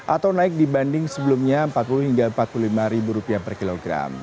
atau naik dibanding sebelumnya rp empat puluh hingga rp empat puluh lima per kilogram